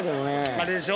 あれでしょ？